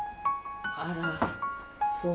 あらそう。